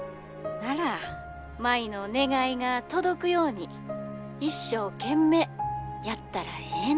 ☎なら舞の願いが届くように一生懸命やったらええの。